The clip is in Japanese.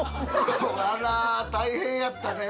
あら大変やったね。